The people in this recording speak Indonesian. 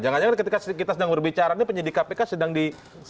jangan jangan ketika kita sedang berbicara ini penyidik kpk sedang di